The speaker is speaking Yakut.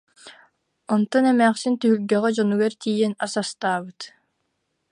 Онтон эмээхсин түһүлгэҕэ дьонугар тиийэн ас астаабыт